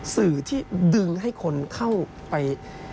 สื่อที่ดึงให้คนเข้าไป